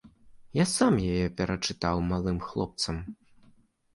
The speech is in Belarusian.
Я сам яе перачытаў малым хлопцам.